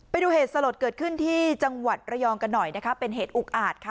ไปดูเหตุสลดเกิดขึ้นที่จังหวัดระยองกันหน่อยนะคะเป็นเหตุอุกอาจค่ะ